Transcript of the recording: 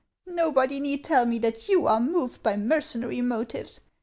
Nobody need tell me that you are moved by mercenary motives.